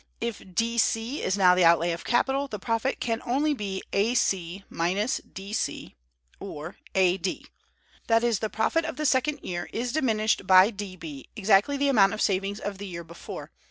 If D C is now the outlay of capital, the profit can only be A C, minus D C, or A D; that is, the profit of the second year is diminished by D B, exactly the amount of savings of the year before.